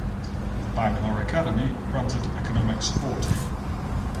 The Bangla Academy granted economic support to him.